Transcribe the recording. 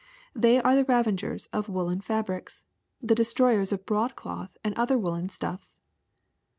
They are the ravagers of woolen fabrics, the de stroyers of broadcloth and other woolen stuffs.''